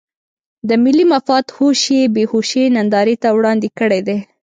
د ملي مفاد هوش یې بې هوشۍ نندارې ته وړاندې کړی دی.